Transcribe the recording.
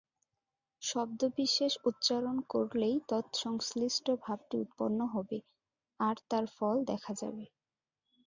শব্দবিশেষ উচ্চারণ করলেই তৎসংশ্লিষ্ট ভাবটি উৎপন্ন হবে, আর তার ফল দেখা যাবে।